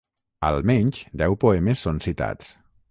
Almenys deu poemes són citats.